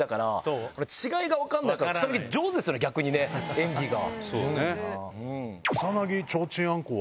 演技が。